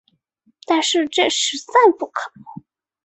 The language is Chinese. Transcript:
但是这实在不可能